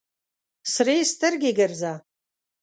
سرې سترګې ګرځه.